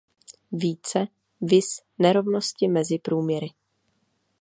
Více viz nerovnosti mezi průměry.